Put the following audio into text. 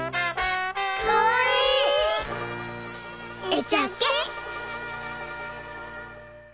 「えちゃけ」。